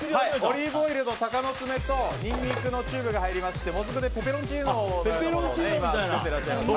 オリーブオイルと鷹の爪とニンニクのチューブが入りましてもずくでペペロンチーノみたいなものを作ってます。